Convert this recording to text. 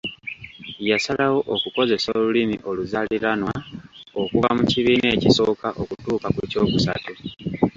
Yasalawo okukozesa Olulimi oluzaaliranwa okuva mu kibiina ekisooka okutuuka ku kyokusatu.